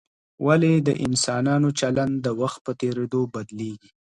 ولي د انسانانو چلند د وخت په تېرېدو بدلیږي؟